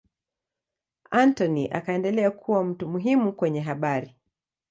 Anthony akaendelea kuwa mtu muhimu kwenye habari.